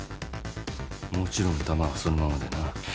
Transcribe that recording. もちろん弾はそのままでな。